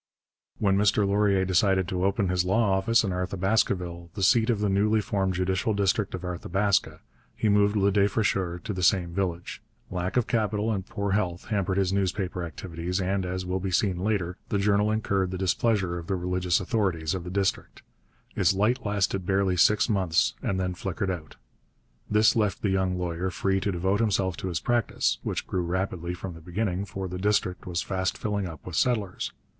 When Mr Laurier decided to open his law office in Arthabaskaville, the seat of the newly formed judicial district of Arthabaska, he moved Le Défricheur to the same village. Lack of capital and poor health hampered his newspaper activities, and, as will be seen later, the journal incurred the displeasure of the religious authorities of the district. Its light lasted barely six months and then flickered out. This left the young lawyer free to devote himself to his practice, which grew rapidly from the beginning, for the district was fast filling up with settlers.